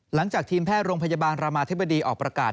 หลังจากทีมแพทย์โรงพยาบาลรามาธิบดีออกประกาศ